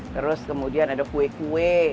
terus kemudian ada kue kue